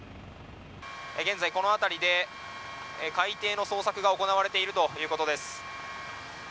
現在、この辺りで海底の捜索が行われているということです。